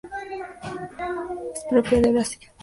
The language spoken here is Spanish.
Es propia de Brasil.